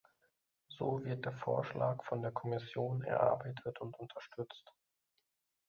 So wird der Vorschlag von der Kommission erarbeitet und unterstützt.